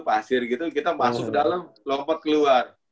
pasir gitu kita masuk ke dalam lompat keluar